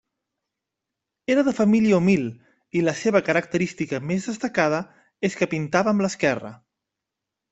Era de família humil i la seva característica més destacada és que pintava amb l'esquerra.